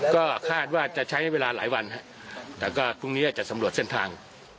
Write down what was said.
ก็คาดว่าจะใช้เวลาหลายวันแต่ก็พรุ่งนี้จะสำรวจเส้นทาง